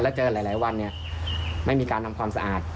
แล้วเจอหลายวันเนี่ยไม่มีการทำความสะอาด